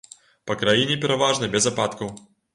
Па краіне пераважна без ападкаў.